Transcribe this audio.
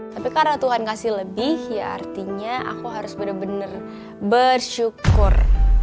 tapi karena tuhan kasih lebih ya artinya aku harus benar benar bersyukur